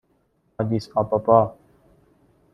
آدیس آبابا